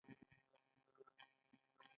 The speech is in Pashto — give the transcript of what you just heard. د مسجد پاک ساتل زموږ وجيبه ده.